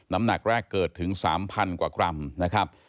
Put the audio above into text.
น้ำหนักแรกเกิดถึง๓๐๐กว่ากรัมนะครับ